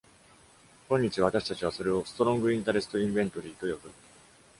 今日、私たちはそれをストロング・インタレスト・インベントリィと呼ぶ。